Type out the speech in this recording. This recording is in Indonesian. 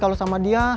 kalau sama dia